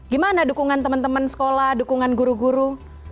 gimana dukungan temen temen sekolah dukungan guru guru